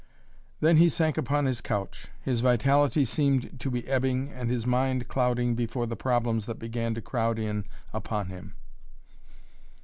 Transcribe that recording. Then he sank upon his couch. His vitality seemed to be ebbing and his mind clouding before the problems that began to crowd in upon him.